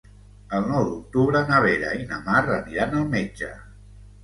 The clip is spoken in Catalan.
El nou d'octubre na Vera i na Mar aniran al metge.